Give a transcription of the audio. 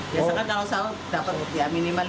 biasanya kalau sahur dapat minimum lima ratus enam ratus